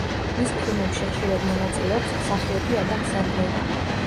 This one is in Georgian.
მის ფილმებში ხშირად მონაწილეობს მსახიობი ადამ სენდლერი.